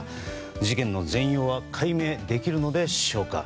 事件の全容は解明できるのでしょうか。